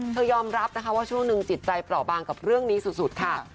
ยอมรับนะคะว่าช่วงหนึ่งจิตใจเปราะบางกับเรื่องนี้สุดค่ะ